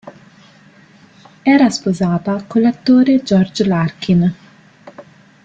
Era sposata con l'attore George Larkin.